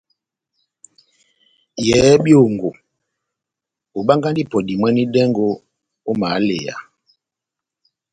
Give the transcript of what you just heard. Yɛhɛ byongo, obangahi ipɔ dimwanedɛngo ó mahaleya.